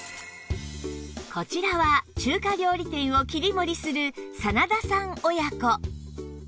こちらは中華料理店を切り盛りする真田さん親子